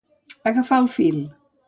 Agafar el fil.